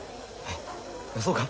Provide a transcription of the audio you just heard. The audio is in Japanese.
そうか。